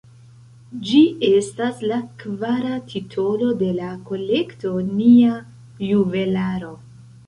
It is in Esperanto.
Ĝi estas la kvara titolo de la kolekto Nia Juvelaro.